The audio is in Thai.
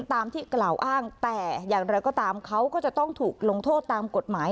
ตามที่กล่าวอ้างแต่อย่างไรก็ตามเขาก็จะต้องถูกลงโทษตามกฎหมาย